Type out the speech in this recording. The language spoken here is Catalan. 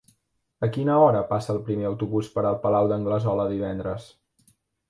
A quina hora passa el primer autobús per el Palau d'Anglesola divendres?